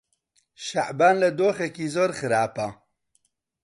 شەعبان لە دۆخێکی زۆر خراپە.